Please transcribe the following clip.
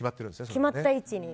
決まった位置に。